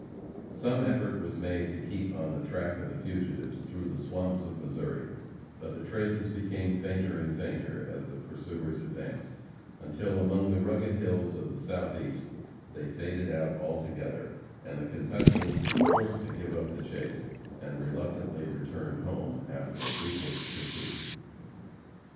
Some effort was made to keep on the track of the fugitives through the swamps of Missouri, but the traces became fainter and fainter as the pursuers advanced, until among the rugged hills of the Southeast they faded out altogether, and the Kentuckians were forced to give up the chase and reluctantly returned home after a bootless pursuit.